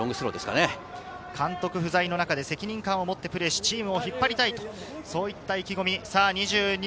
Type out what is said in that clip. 監督不在の中で責任感を持ってプレーして、チームを引っ張りたいという意気込み。